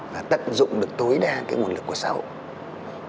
và tận dụng được tối đa cái nguồn lực của xã hội